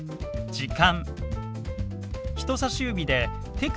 「時間」。